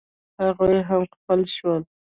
هغوی هم خپه شول.